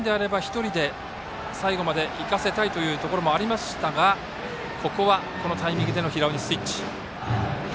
できれば平山監督とすれば１人で最後まで行かせたいというところがありましたがここはこのタイミングでスイッチ。